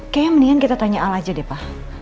kayaknya mendingan kita tanya al aja deh pak